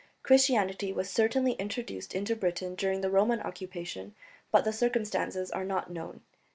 Christianity was certainly introduced into Britain during the Roman occupation, but the circumstances are not known.